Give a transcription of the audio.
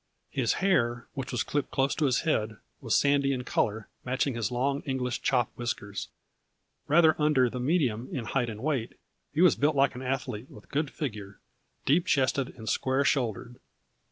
His hair, which was clipped close to his head, was sandy in color, matching A FLURRY IN DIAMONDS. 55 his long English chop whiskers. Rather under the medium in height and weight, he was built like an athlete, with good figure, deep chested and square shouldered.